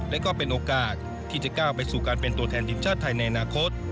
และก็เป็นโอกาสที่จะก้าวไปสู่การเป็นตัวแทนทีมชาติไทยในอนาคต